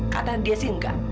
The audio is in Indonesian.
kata dia sih enggak